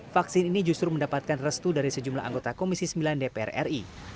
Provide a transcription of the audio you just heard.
vaksin ini justru mendapatkan restu dari sejumlah anggota komisi sembilan dpr ri